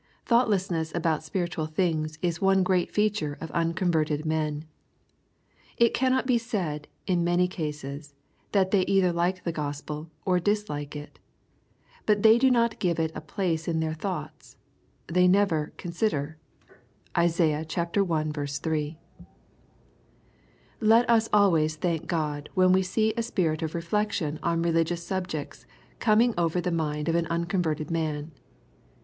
Thoughtlessness about spiritual things is one great feature of unconverted men. It cannot be said, in many cases, that they either like the Gospel, or dislike it. But they do not give it a place in their thoughts. They never "consider." (Isaiah i. 3.) Let us always thank God when we see a spirit of re flection on religious subjects coming over the mind of an unconverted man.